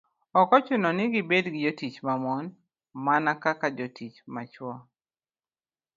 ok ochuno ni gibed gi jotich ma mon, mana kaka jotich ma chwo.